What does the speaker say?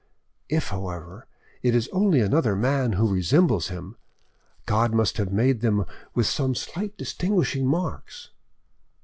If, however, it is only another man who resembles him, God must have made them with some slight distinguishing marks."